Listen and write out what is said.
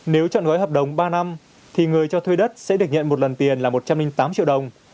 nếu chọn gói hợp đồng ba năm thì người cho thuê đất sẽ được nhận một lần tiền là một trăm linh tám triệu đồng